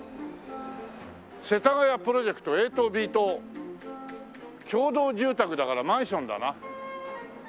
「世田谷プロジェクトＡ棟・Ｂ棟」「共同住宅」だからマンションだな。